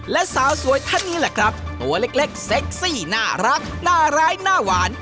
และสาวสวยท่านนี้แหละครับตัวเล็กเซ็กซี่น่ารักหน้าร้ายหน้าหวาน